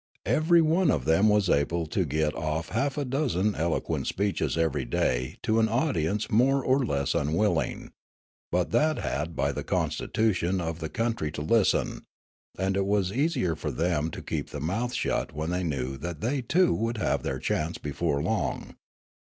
Every one of them was able to get off half a dozen eloquent speeches every day to an audience more or less unwilling, but that had by the constitution of the country to listen ; and it was easier for them to keep the mouth shut when they knew that they too would have their chance before long.